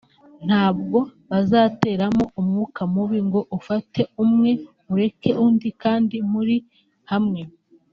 ntabwo bazateramo umwuka mubi ngo ufate umwe ureke undi kandi muri hamwe